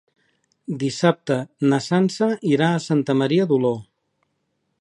Dissabte na Sança irà a Santa Maria d'Oló.